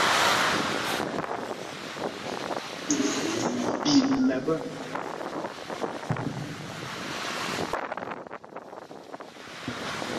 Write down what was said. Obulimi n'ebibuvaamu tebinnaba kuleetera mulimi magoba n'okumugaggawaza mu nsi eno.